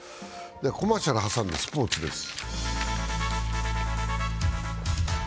コマーシャル挟んでスポーツです。